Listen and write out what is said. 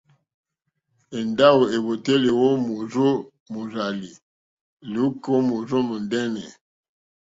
Èndáwò èwòtélì ó mòrzó mòrzàlì lùúkà móòrzó mòndɛ́nɛ̀.